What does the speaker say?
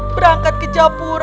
berangkat ke japur